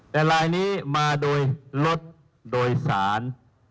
แต่ลายนี้มาโดยรถโดยสาร